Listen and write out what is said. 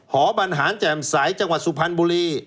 หบรรหารแจ่มใสจังหวัดสุพรรณบุรี